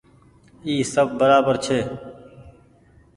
اي سب برابر ڇي۔